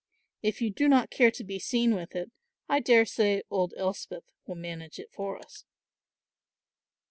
If you do not care to be seen with it, I daresay old Elspeth will manage it for us."